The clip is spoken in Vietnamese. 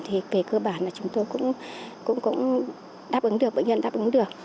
thì về cơ bản là chúng tôi cũng đáp ứng được bệnh nhân đáp ứng được